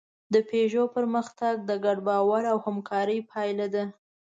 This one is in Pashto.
د پيژو پرمختګ د ګډ باور او همکارۍ پایله ده.